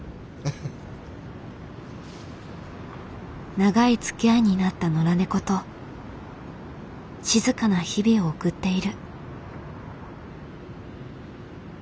長いつきあいになった野良猫と静かな日々を送っている。